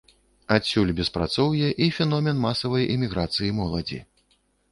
Адсюль беспрацоўе і феномен масавай эміграцыі моладзі.